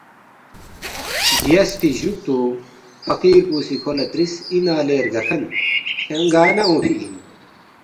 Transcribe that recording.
بیاسفی جُوکتُو فقیر پو سی کھو لہ ترِس، ”اِنا لے رگاکھن کھیانگ گار نہ اونگفی اِن ؟“